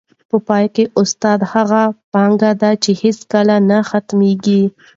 په پای کي، استاد هغه پانګه ده چي هیڅکله نه ختمېږي.